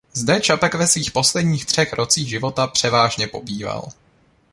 Zde Čapek ve svých posledních třech rocích života převážně pobýval.